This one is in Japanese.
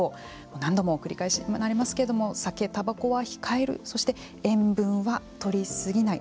何度も繰り返しにはなりますけれども酒、たばこは控えるそして、塩分はとり過ぎない。